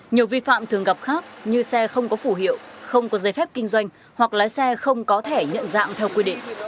nhiều vi phạm thường gặp khác như xe không có phủ hiệu không có giấy phép kinh doanh hoặc lái xe không có thẻ nhận dạng theo quy định